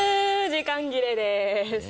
時間切れです。